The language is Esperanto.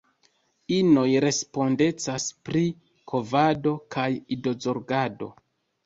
Inoj respondecas pri kovado kaj idozorgado.